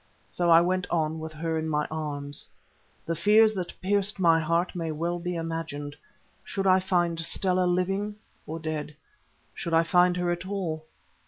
So I went on with her in my arms. The fears that pierced my heart may well be imagined. Should I find Stella living or dead? Should I find her at all?